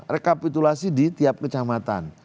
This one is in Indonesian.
rekapitulasi di tiap kecamatan